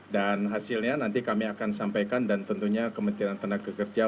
dan hasilnya nanti kami akan sampaikan dan tentunya kementerian tenaga kerja